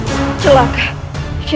kita habis kehidupan sendiri ini